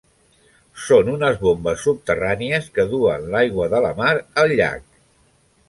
Són unes bombes subterrànies que duen l'aigua de la mar al llac.